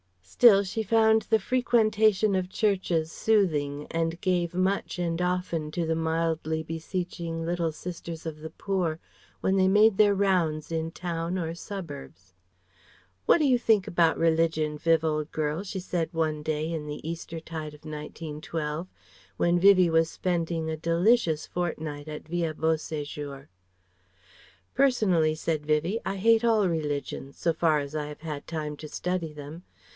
Still, she found the frequentation of churches soothing and gave much and often to the mildly beseeching Little Sisters of the Poor when they made their rounds in town or suburbs. [Footnote 1: Or so the observers say who haven't had a life of pleasure.] "What do you think about Religion, Viv old girl?" she said one day in the Eastertide of 1912, when Vivie was spending a delicious fortnight at Villa Beau séjour. "Personally," said Vivie, "I hate all religions, so far as I have had time to study them.